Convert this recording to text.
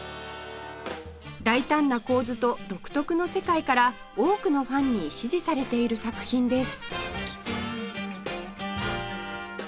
大胆な構図と独特の世界から多くのファンに支持されている作品です